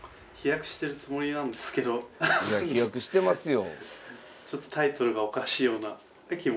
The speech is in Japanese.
いや飛躍してますよ。